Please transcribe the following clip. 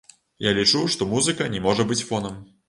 Я лічу, што музыка не можа быць фонам.